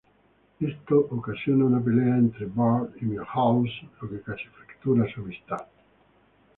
Esto ocasiona una pelea entre Bart y Milhouse, lo que casi fractura su amistad.